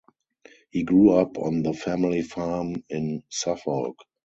He grew up on the family farm in Suffolk.